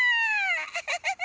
ウフフフ！